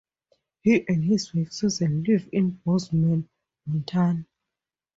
He and his wife Susan live in Bozeman, Montana.